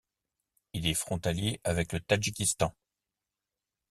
Il est frontalier avec le Tadjikistan.